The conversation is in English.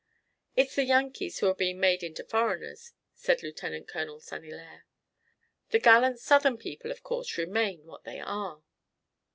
"It's the Yankees who are being made into foreigners," said Lieutenant Colonel St. Hilaire. "The gallant Southern people, of course, remain what they are."